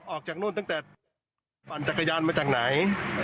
ออกจากนู่นตั้งแต่ปั่นจักรยานมาจากไหน